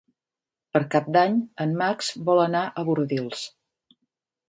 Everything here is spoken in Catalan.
Per Cap d'Any en Max vol anar a Bordils.